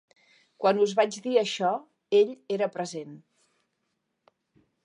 Quan us vaig dir això, ell era present.